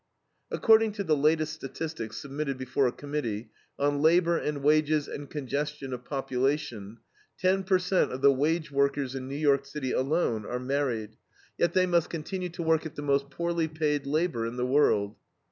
According to the latest statistics submitted before a Committee "on labor and wages, and congestion of population," ten per cent. of the wage workers in New York City alone are married, yet they must continue to work at the most poorly paid labor in the world.